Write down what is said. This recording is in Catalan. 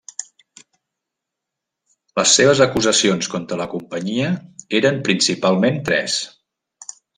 Les seves acusacions contra la companyia eren principalment tres.